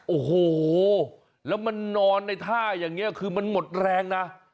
โอ้โหแล้วมันนอนในท่าอย่างนี้คือมันหมดแรงนะ